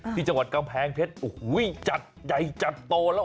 ที่จังหวัดกำแพงเพชรโอ้โหจัดใหญ่จัดโตแล้ว